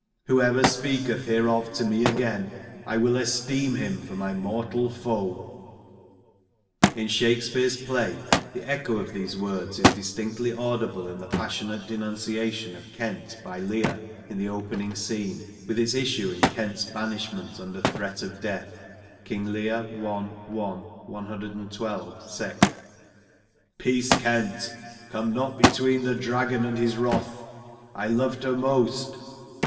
\/ Who ever speaketh hereof to me again, I will esteem him for my mortal foe.' In Shakespeare's play the echo of these words is distinctly audible in the passionate denunciation of Kent by Lear in the opening scene, with its issue in Kent's banishment under threat of death (King Lear, I. i. 112 seq.} xl INTRODUCTION Peace, Kent ! Come not between the dragon and his wrath. I loved her most